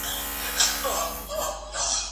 انځورونه رسم کړه